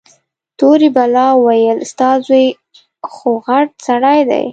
تورې بلا وويل ستا زوى خوغټ سړى دى.